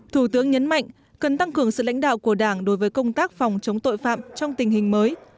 thủ tướng nhấn mạnh cần tăng cường sự lãnh đạo của đảng đối với công tác phòng chống tội phạm trong tình hình mới